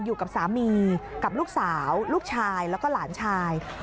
อยู่กับสามีกับลูกสาวลูกชายแล้วก็หลานชาย